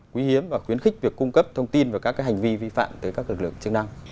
quý hiếm và khuyến khích việc cung cấp thông tin và các hành vi vi phạm tới các lực lượng chức năng